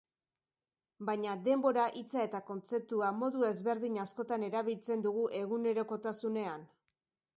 Baina denbora hitza eta kontzeptua modu ezberdin askotan erabiltzen dugu egunerokotasunean.